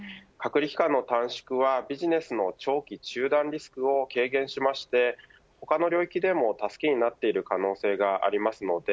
隔離期間の短縮はビジネスの長期中断リスクを軽減しまして他の領域でも助けになっている可能性があります。